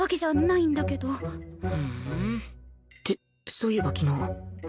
そういえば昨日